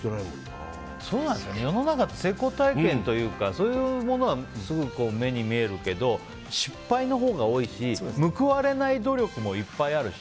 世の中って成功体験というかそういうものはすごい目に見えるけど失敗のほうが多いし報われない努力もいっぱいあるし。